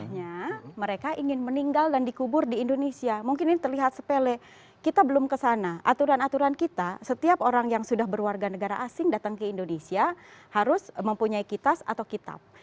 artinya mereka ingin meninggal dan dikubur di indonesia mungkin ini terlihat sepele kita belum kesana aturan aturan kita setiap orang yang sudah berwarga negara asing datang ke indonesia harus mempunyai kitas atau kitab